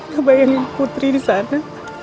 gak bayangin putri disana